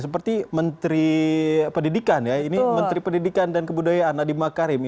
seperti menteri pendidikan dan kebudayaan nadiem makarim